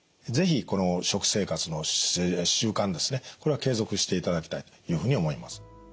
是非この食生活の習慣ですねこれは継続していただきたいというふうに思います。